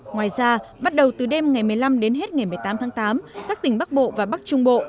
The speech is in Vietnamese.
ngoài ra bắt đầu từ đêm ngày một mươi năm đến hết ngày một mươi tám tháng tám các tỉnh bắc bộ và bắc trung bộ